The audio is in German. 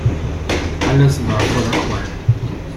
Alles war voller Qualm.